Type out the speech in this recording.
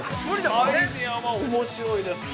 ◆アイデアはおもしろいですね。